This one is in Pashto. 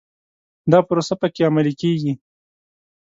دا پروسه په کې عملي کېږي.